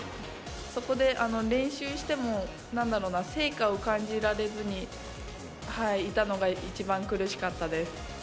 そこで練習しても成果を感じられずにいたのが一番苦しかったです。